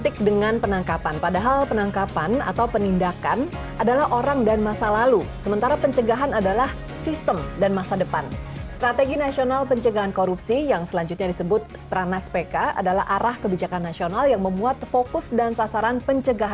korupsi di indonesia